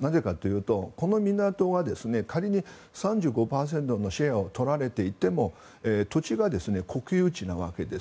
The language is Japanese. なぜかというと、この港が仮に３５％のシェアを取られていても土地は国有地なわけです。